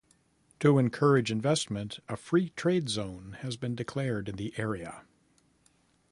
To encourage investment, a free trade zone has been declared in the area.